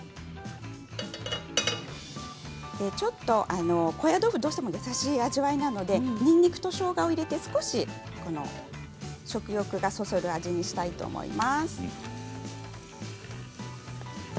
ちょっと高野豆腐がどうしても優しい味わいなのでにんにくとしょうがを入れて少し食欲がそそる味にしたいと思います。